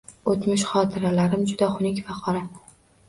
O‘tmish xotiralarim juda xunuk va qora